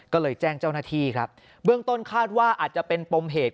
ก็เลยแจ้งเจ้าหน้าที่ครับเบื้องต้นคาดว่าอาจจะเป็นปมเหตุ